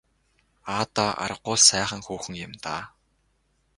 Аа даа аргагүй л сайхан хүүхэн юм даа.